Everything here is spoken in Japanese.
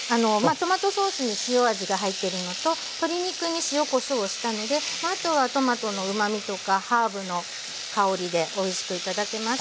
トマトソースに塩味が入ってるのと鶏肉に塩・こしょうをしたのであとはトマトのうまみとかハーブの香りでおいしく頂けます。